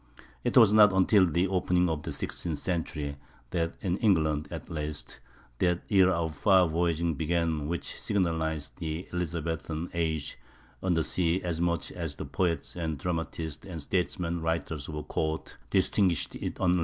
It was not until the opening of the sixteenth century that in England, at least, that era of far voyaging began which signalized the Elizabethan age on the sea as much as the poets and dramatists and statesmen writers of her court distinguished it on land.